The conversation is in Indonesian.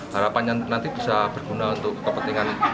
harapannya nanti bisa berguna untuk kepentingan